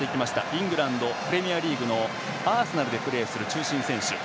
イングランド、プレミアリーグのアーセナルでプレーする中心選手。